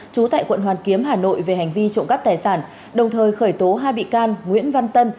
trú tại quận hoàn kiếm hà nội về hành vi trộm cắp tài sản đồng thời khởi tố hai bị can nguyễn văn tân